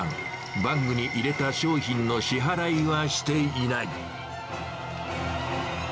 バッグに入れた商品の支払いはしていない。